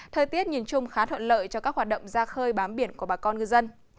thời tiết nhìn chung khá thuận lợi cho các hoạt động ra khơi bám biển của bà con ngư dân